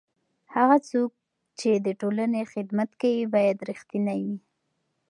هغه څوک چې د ټولنې خدمت کوي باید رښتینی وي.